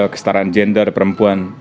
kestaraan gender perempuan